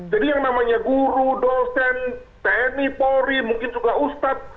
jadi yang namanya guru dosen tni polri mungkin juga ustadz